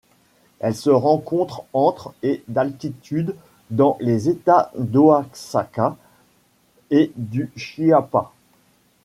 Elle se rencontre entre et d'altitude dans les États d'Oaxaca et du Chiapas.